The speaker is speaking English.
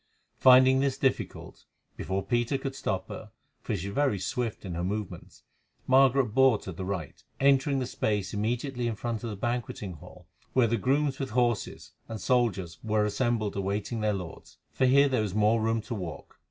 Finding this difficult, before Peter could stop her, for she was very swift in her movements, Margaret bore to the right, entering the space immediately in front of the banqueting hall where the grooms with horses and soldiers were assembled awaiting their lords, for here there was more room to walk.